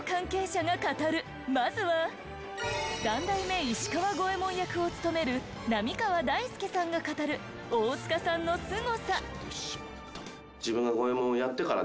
まずは３代目石川五ェ門役を務める浪川大輔さんが語る大塚さんのスゴさ。